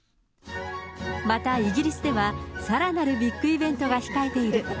またイギリスでは、さらなるビッグイベントが控えている。